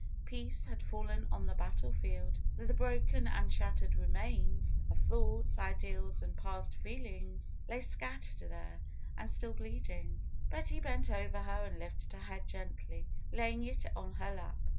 Peace had fallen on the battle field, though the broken and shattered remains of FAITH 269 thoughts, ideals and past feelings lay scattered there, and still bleeding. Betty bent over her and lifted her head gently, lay ing it on her lap.